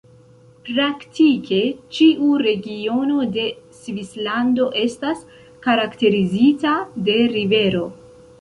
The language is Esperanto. Praktike ĉiu regiono de Svislando estas karakterizita de rivero.